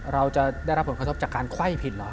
เราจะได้รับผลกระทบจากการไขว้ผิดเหรอ